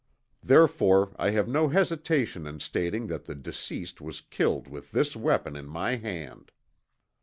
Therefore I have no hesitation in stating that the deceased was killed with this weapon in my hand."